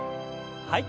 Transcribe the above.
はい。